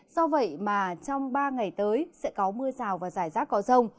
do vậy mà trong ba ngày tới sẽ có mưa rào và xảy rác có rồng